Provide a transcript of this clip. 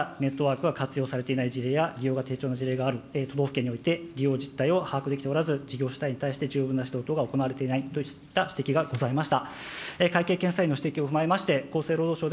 地域医療情報連携ネットワークにつきましては、令和元年に会計検査院からネットワークが活用されていない事例や利用の低調の事例がある都道府県において利用実態を把握できておらず、事業主体に対して十分な指導等が行われていないとした指摘がございました。